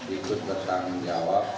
ikut bertanggung jawab